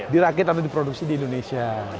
dirakit atau diproduksi di indonesia